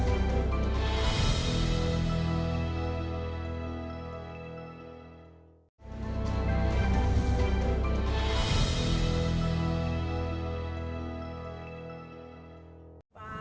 ini adalah pelajaran yang paling saya suka